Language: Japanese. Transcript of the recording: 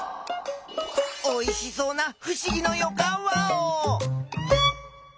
おいしそうなふしぎのよかんワオ！